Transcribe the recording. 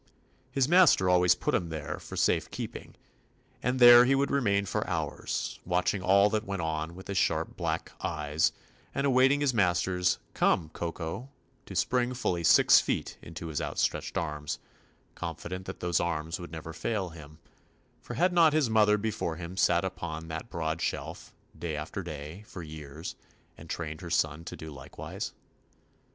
His master always put him there "for safe keeping," and there he would remain for hours, watching all that went on with his sharp black eyes, and awaiting his master's "Come, Kokol" to spring ful ly six feet into his outstretched arms, confident that those arms would never fail him, for had not his mother be fore him sat upon that broad shelf, day after day, for years, and trained her son to do likewise *?